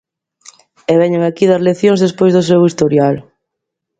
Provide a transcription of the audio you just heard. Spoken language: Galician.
E veñen aquí dar leccións despois do seu historial.